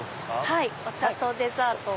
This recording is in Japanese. はいお茶とデザートを。